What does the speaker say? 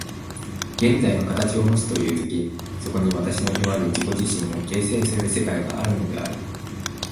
現在が形をもつという時、そこに私のいわゆる自己自身を形成する世界があるのである。